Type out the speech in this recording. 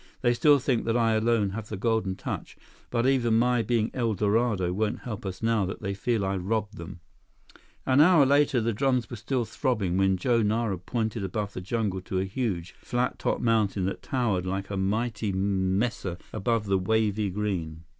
They still think that I alone have the golden touch, but even my being El Dorado won't help us now that they feel I robbed them." [Illustration: Drummers] An hour later, the drums were still throbbing when Joe Nara pointed above the jungle to a huge, flat topped mountain that towered like a mighty mesa above the wavy green.